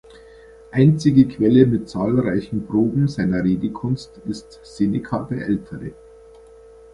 Einzige Quelle mit zahlreichen Proben seiner Redekunst ist Seneca der Ältere.